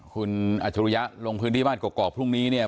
คุณอัจฉริยะลงพื้นที่บ้านกอกพรุ่งนี้เนี่ย